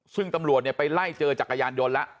ซึ่งตำรวจไปไล่เจอจักรยานยนต์แล้ว